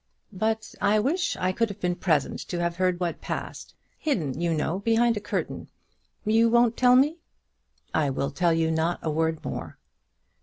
"But I wish I could have been present to have heard what passed; hidden, you know, behind a curtain. You won't tell me?" "I will tell you not a word more."